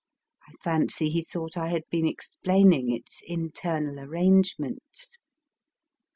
I fancy he thought I had been explaining its internal arrangements.